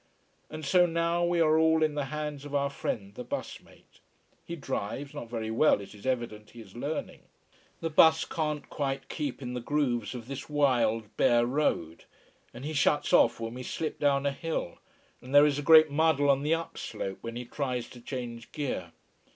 And so now we are all in the hands of our friend the bus mate. He drives not very well. It is evident he is learning. The bus can't quite keep in the grooves of this wild bare road. And he shuts off when we slip down a hill and there is a great muddle on the upslope when he tries to change gear.